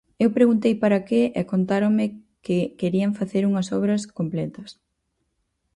Eu preguntei para que e contáronme que querían facer unhas obras completas.